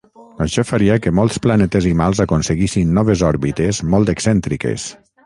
Això faria que molts planetesimals aconseguissin noves òrbites molt excèntriques.